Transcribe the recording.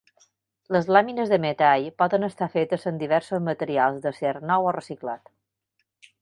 Les làmines de metall poden estar fetes amb diversos materials d'acer nou o reciclat.